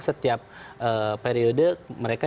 setiap periode mereka